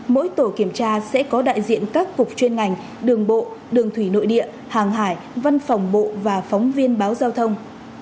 mỗi tổ kiểm tra sẽ có đại diện các cục chuyên ngành đường bộ đường thủy nội địa hàng hải văn phòng bộ và phóng viên báo giao thông